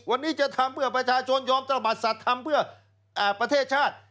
วันนี้จะทำเพื่อประชาชนยอมตระบัดสัตว์ทำเพื่อประเทศชาติ